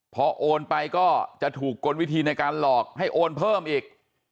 พอโอนไปก็จะถูกกลวิธีในการหลอกให้โอนเพิ่มอีก